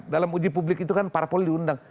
dalam uji publik itu kan parpol diundang